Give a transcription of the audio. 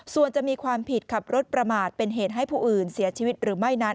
ส่วนจะมีความผิดขับรถประมาทเป็นเหตุให้ผู้อื่นเสียชีวิตหรือไม่นั้น